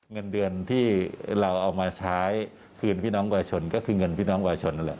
เงินเดือนที่เราเอามาใช้คืนพี่น้องวาชนก็คือเงินพี่น้องวาชนนั่นแหละ